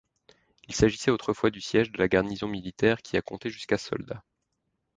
Il s'agissait autrefois du siège de la garnison militaire qui a compté jusqu'à soldats.